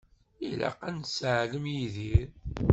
Ilaq ad nesseɛlem Yidir.